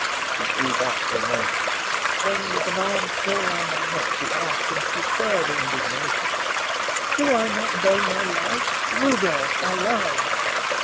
She drew back for a moment; then, with an arm still round my neck, she asked, in superb indignation: "Do I not know my love? Rudolf my love!"